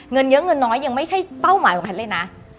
เงินเยอะเงินน้อยยังไม่ใช่เป้าหมายของแพทย์เลยนะ